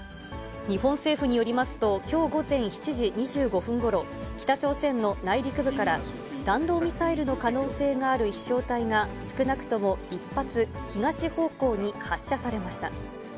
日本政府によりますと、きょう午前７時２５分ごろ、北朝鮮の内陸部から、弾道ミサイルの可能性がある飛しょう体が少なくとも１発、東方向に発射されました。